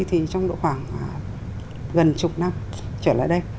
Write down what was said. thì trong độ khoảng gần chục năm trở lại đây